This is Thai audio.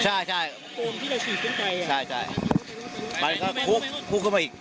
ใช่ใช่ปูนที่เราฉีดขึ้นไปอ่ะใช่ใช่มันก็คุกคลุกเข้าไปอีก